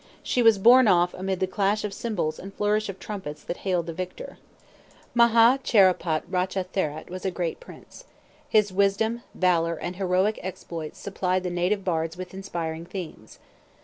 She was borne off amid the clash of cymbals and flourish of trumpets that hailed the victor. Maha Charapât Racha therat was a great prince. His wisdom, valor, and heroic exploits supplied the native bards with inspiring themes.